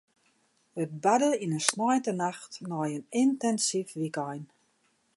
It barde yn in sneintenacht nei in yntinsyf wykein.